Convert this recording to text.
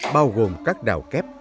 bao gồm các đảo kép